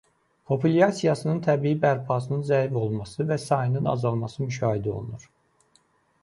Populyasiyanın təbii bərpasının zəif olması və sayının azalması müşahidə olunur.